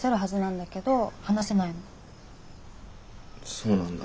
そうなんだ。